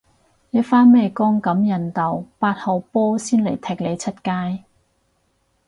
你返咩工咁人道，八號波先嚟踢你出街